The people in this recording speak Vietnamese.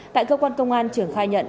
tại cơ quan công an trưởng khai nhận